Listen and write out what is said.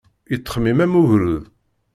Yettxemmim am ugrud.